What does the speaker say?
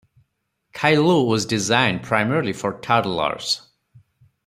"Caillou" was designed primarily for toddlers.